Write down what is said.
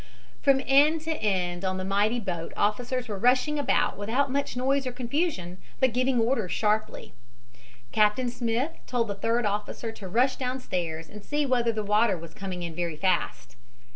From end to end on the mighty boat officers were rushing about without much noise or confusion, but giving orders sharply. Captain Smith told the third officer to rush downstairs and see whether the water was coming in very fast.